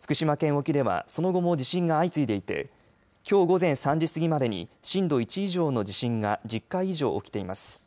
福島県沖ではその後も地震が相次いでいてきょう午前３時過ぎまでに震度１以上の地震が１０回以上起きています。